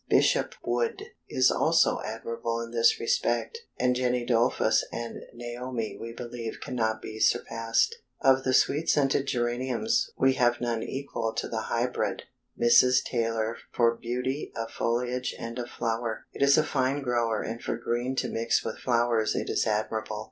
Bishop Wood is also admirable in this respect, and Jenny Dolfus and Naomi we believe cannot be surpassed. Of the Sweet Scented Geraniums, we have none equal to the hybrid, Mrs. Taylor, for beauty of foliage and of flower. It is a fine grower, and for green to mix with flowers it is admirable.